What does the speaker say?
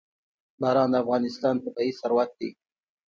باران د افغانستان طبعي ثروت دی.